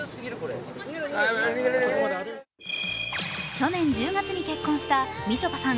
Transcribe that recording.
去年１０月に結婚したみちょぱさん